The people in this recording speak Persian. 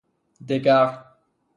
دگر